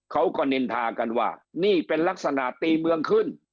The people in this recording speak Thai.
เขาก็นินทากันว่านี่เป็นลักษณะตีเมืองขึ้น